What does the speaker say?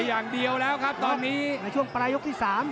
อย่างเดียวแล้วครับตอนนี้ในช่วงปลายยกที่๓